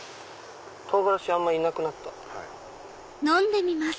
唐辛子あんまいなくなった。